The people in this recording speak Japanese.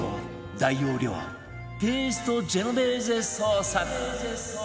大容量ペーストジェノベーゼソース